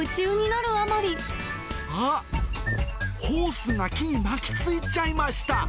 あっ、ホースが木に巻きついちゃいました。